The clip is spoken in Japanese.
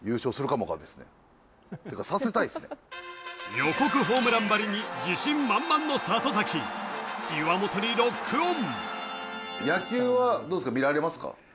予告ホームランばりに自信満々の里崎、岩本にロックオン。